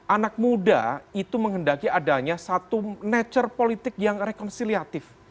anak muda itu menghendaki adanya satu nature politik yang rekonsiliatif